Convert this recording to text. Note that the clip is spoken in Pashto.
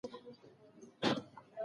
سړي خپله مجسمه بيا په کڅوړه کې پټه کړه.